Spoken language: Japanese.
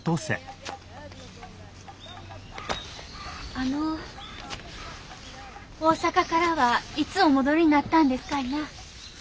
・あの大坂からはいつお戻りになったんですかいな？